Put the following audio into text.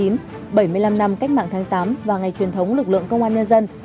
bảy mươi năm năm cách mạng tháng tám và ngày truyền thống lực lượng công an nhân dân